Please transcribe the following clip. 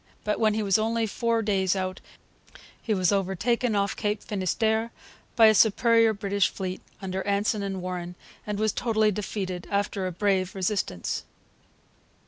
But when he was only four days out he was overtaken off Cape Finisterre by a superior British fleet, under Anson and Warren, and was totally defeated, after a brave resistance.